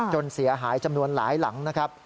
เสียหายจำนวนหลายหลังนะครับ